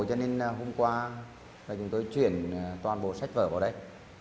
cho nên hôm qua là chúng tôi chuyển toàn bộ sách vở vào đây